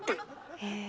へえ。